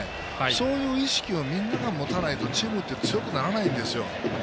そういう意識をみんなが持たないとチームって強くならないんですよ。